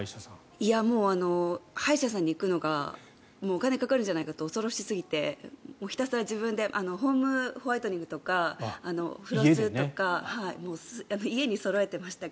いや歯医者さんに行くのがもうお金がかかるんじゃないかと恐ろしすぎて自分でホームホワイトニングとかフロスとか家にそろえてました。